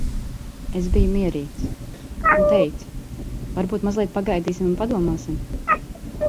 Es biju mierīgs. Un teicu, "Varbūt mazliet pagaidīsim un padomāsim?